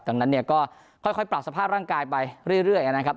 ดังนั้นเนี่ยก็ค่อยปรับสภาพร่างกายไปเรื่อยนะครับ